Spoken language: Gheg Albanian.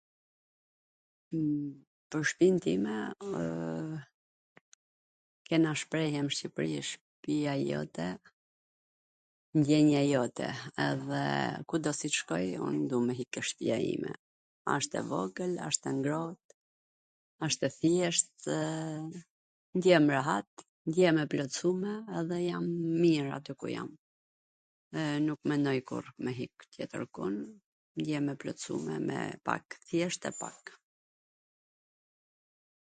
"Pwr shpin time, kena shprehjen nw Shqipri, ""shpija jote, ndeja jote"", edhe kudo si t shkoj un du me hik ke shpia ime, asht e vogwl, asht e ngroht, asht e thjesht, dhe ndjehem rehat, ndjehem e plotsume, edhe jam mir aty ku jam, dhe nuk menoj me hik tjetwrkun, ndjehem e plotsume me pak, thjesht e pak. "